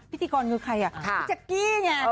พิธีกรคือใครอ่ะพี่แจ๊กกี้ไง